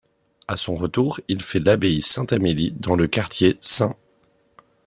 À son retour, il fait l'abbaye Sainte-Amélie dans le quartier St.